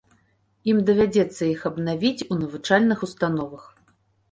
Ім давядзецца іх абнавіць у навучальных установах.